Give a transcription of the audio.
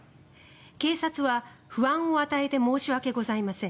警察は不安を与えて申し訳ございません